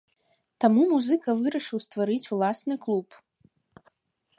Таму музыка вырашыў стварыць уласны клуб.